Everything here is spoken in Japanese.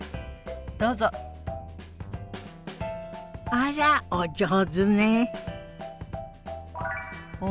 あらお上手ね。